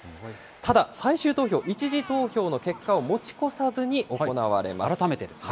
ただ、最終投票、１次投票の結果を持ち越さず改めてですね。